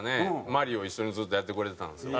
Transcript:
『マリオ』一緒にずっとやってくれてたんですよ。